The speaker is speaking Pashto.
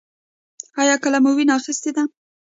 ایا کله مو وینه اخیستې ده؟